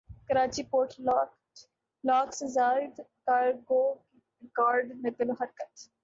Karachi port lakh سے زائد cargo کی ریکارڈ نقل وحرکت